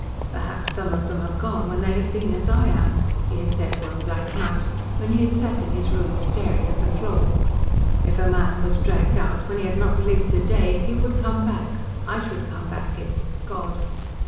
"Perhaps some of them have gone when they have been as I am," he had said one black night, when he had sat in his room staring at the floor. "If a man was dragged out when he had not LIVED a day, he would come back I should come back if God!